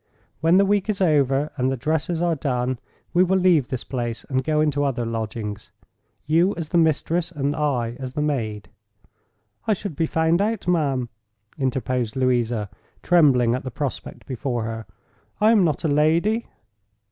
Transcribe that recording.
When the week is over, and the dresses are done, we will leave this place, and go into other lodgings—you as the mistress and I as the maid." "I should be found out, ma'am," interposed Louisa, trembling at the prospect before her. "I am not a lady."